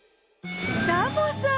サボさん！